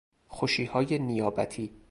خوشیهای نیابتی